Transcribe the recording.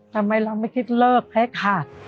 ทำไมเราไม่คิดเลิกเพชรค่ะ